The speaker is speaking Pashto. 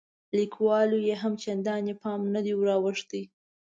لیکوالو یې هم چندان پام نه دی وراوښتی.